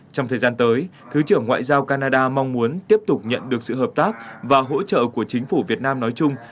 trong thời gian tới thứ trưởng ngoại giao canada mong muốn tiếp tục nhận được sự hợp tác và hỗ trợ của chính phủ việt nam nói chung